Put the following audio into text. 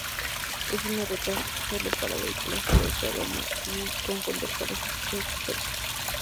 Es una ruta solo para vehículos todoterreno y con conductores expertos.